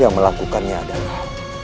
yang melakukannya adalah